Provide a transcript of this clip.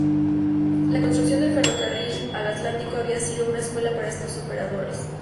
La construcción del ferrocarril al Atlántico había sido una escuela para estos operarios.